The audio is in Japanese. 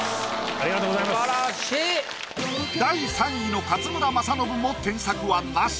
第３位の勝村政信も添削はなし。